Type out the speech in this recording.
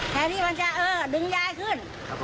แทนที่มันจะเออดึงยายขึ้น